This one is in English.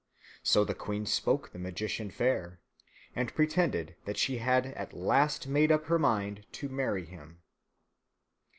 So the queen spoke the magician fair, and pretended that she had at last made up her mind to marry him.